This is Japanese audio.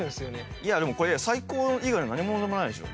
いや、でもこれ最高以外の何ものでもないでしょ。